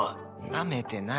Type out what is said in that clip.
⁉なめてない。